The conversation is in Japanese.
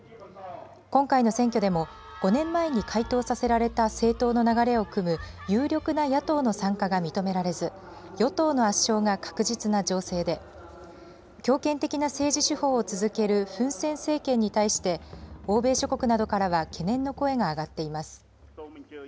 今回の選挙でも、５年前に解党させられた政党の流れをくむ有力な野党の参加が認められず、与党の圧勝が確実な情勢で、強権的な政治手法を続けるフン・セン政権に対して、欧米諸国などからは懸念の声が上がっています。